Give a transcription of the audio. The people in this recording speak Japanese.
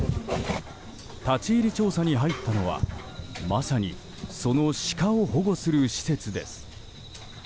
立ち入り調査に入ったのはまさにそのシカを保護する施設です。